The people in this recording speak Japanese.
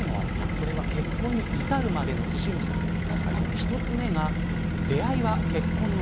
それは、結婚に至るまでの真実です。